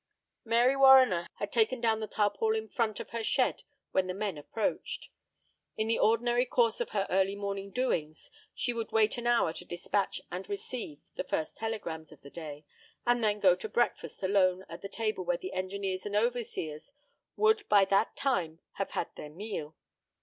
Mary Warriner had taken down the tarpaulin front of her shed when the men approached. In the ordinary course of her early morning doings she would wait an hour to dispatch and receive the first telegrams of the day, and then go to breakfast alone at the table where the engineers and overseers would by that time have had their meal.